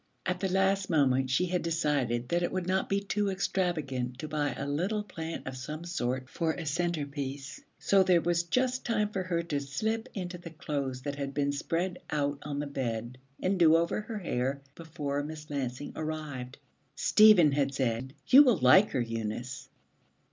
At the last moment she had decided that it would not be too extravagant to buy a little plant of some sort for a centrepiece. So there was just time for her to slip into the clothes that had been spread out on the bed, and do over her hair, before Miss Lansing arrived. Stephen had said, 'You will like her, Eunice.'